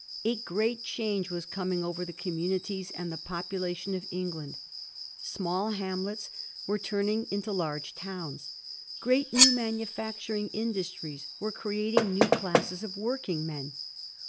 A great change was coming over the communities and the popula tion of England. Small hamlets were turning into large towns. Great new manufacturing industries were create ing new classes of working men.